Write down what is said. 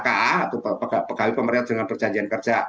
ka atau pegawai pemerintah dengan perjanjian kerja